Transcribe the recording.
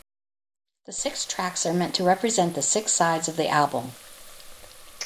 The six tracks are meant to represent the six sides of the album.